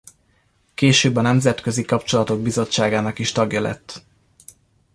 Később a Nemzetközi Kapcsolatok Bizottságának is tagja lett.